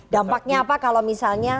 dampaknya apa kalau misalnya